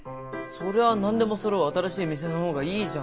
そりゃ何でもそろう新しい店の方がいいじゃん。